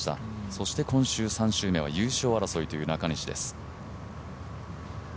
そして今週３週目は優勝争いという中西です。